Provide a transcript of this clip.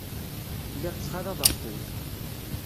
Lliɣ ttxalaḍeɣ-tent.